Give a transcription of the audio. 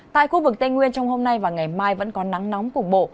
tại khu vực tây nguyên trong hôm nay và ngày mai vẫn có nắng nóng cục bộ